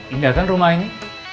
indah kan rumah ini